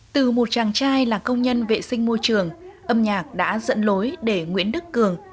từ một chàng trai là công nhân vệ sinh môi trường âm nhạc đã dẫn lối để nguyễn đức cường